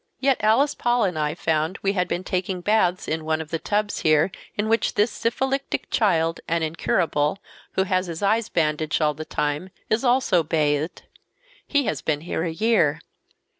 Yet Alice Paul and I found we had been taking baths in one of the tubs here, in which this syphilitic child, an incurable, who has his eyes bandaged all the time, is also bathed. He has been here a year.